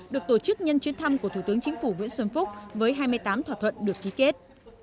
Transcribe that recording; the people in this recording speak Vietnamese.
được tổ chức nhân chuyến thăm của thủ tướng chính phủ nguyễn xuân phúc với hai mươi tám thỏa thuận được ký kết